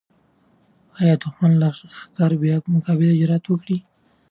آیا د دښمن لښکر به بیا د مقابلې جرات وکړي؟